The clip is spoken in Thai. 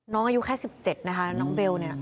อายุแค่๑๗นะคะน้องเบลเนี่ย